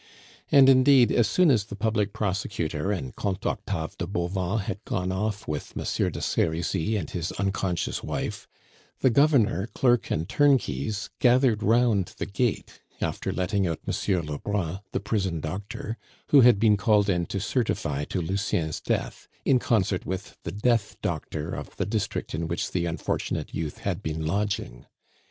And indeed, as soon as the public prosecutor and Comte Octave de Bauvan had gone off with Monsieur de Serizy and his unconscious wife, the Governor, clerk, and turnkeys gathered round the gate, after letting out Monsieur Lebrun, the prison doctor, who had been called in to certify to Lucien's death, in concert with the "death doctor" of the district in which the unfortunate youth had been lodging.